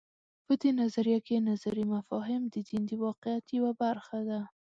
په دې نظریه کې نظري مفاهیم د دین د واقعیت یوه برخه ده.